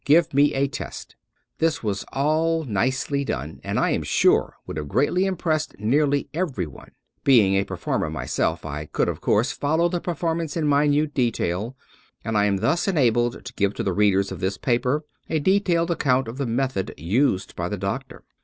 Give me a test" This was all nicely done, and I am sure would have greatly impressed nearly everyone. Being a performer my self, I could of course follow the performance in minute detail, and I am thus enabled to give to the readers of this paper a detailed account of the method used by the doctor.